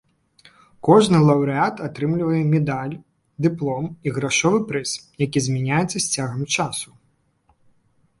Кожны лаўрэат атрымлівае медаль, дыплом і грашовы прыз, які змяняецца з цягам часу.